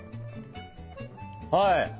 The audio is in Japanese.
はい。